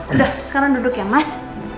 udah sekarang duduk ya mas